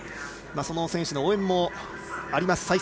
その選手の応援もあります